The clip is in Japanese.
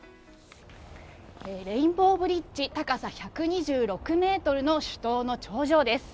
レインボーブリッジ、高さ１２６メートルの主塔の頂上です。